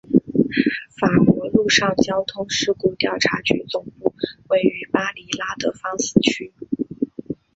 法国陆上交通事故调查局总部位于巴黎拉德芳斯区。